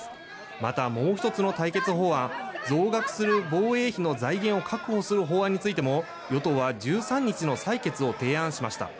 またもう１つの対決法案増額する防衛費の財源を確保する法案についても与党は１３日の採決を提案しました。